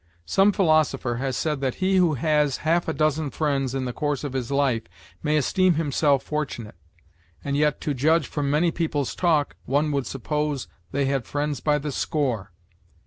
Some philosopher has said that he who has half a dozen friends in the course of his life may esteem himself fortunate; and yet, to judge from many people's talk, one would suppose they had friends by the score.